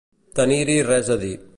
Tenir-hi res a dir.